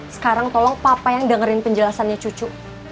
sekarang tolong papa yang dengerin penjelasannya cucu